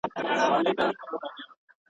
د بوډۍ له ټاله ښکاري چی له رنګه سره جوړ دی.